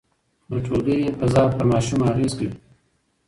د ټولګي فضا ماشوم ته اغېز کوي.